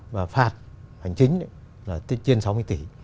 và phạt hành chính là trên sáu mươi tỷ